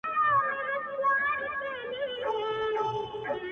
• دا کيسه د انسانيت د سقوط ژور انځور دی,